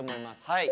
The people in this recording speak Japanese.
はい。